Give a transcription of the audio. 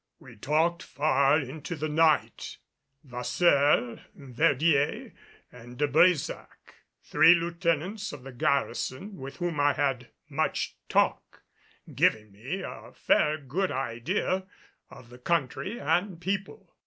We talked far into the night, Vasseur, Verdier and De Brésac, three lieutenants of the garrison with whom I had much talk, giving me a fair good idea of the country and people.